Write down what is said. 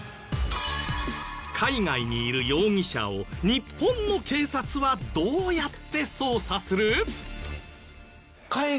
海外にいる容疑者を日本の警察はどうやって捜査する？